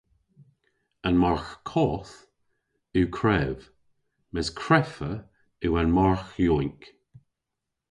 An margh koth yw krev mes kreffa yw an margh yowynk.